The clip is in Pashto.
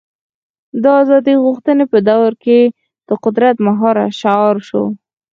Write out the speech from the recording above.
د ازادۍ غوښتنې په دور کې د قدرت مهار شعار شو.